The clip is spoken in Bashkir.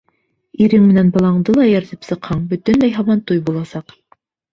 — Ирең менән балаңды ла эйәртеп сыҡһаң, бөтөнләй һабантуй буласаҡ.